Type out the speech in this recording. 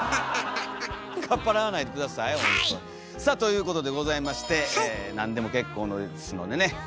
さあということでございまして何でも結構ですのでね